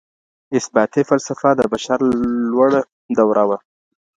اثباتي فلسفه د بشر لوړه دوره وه.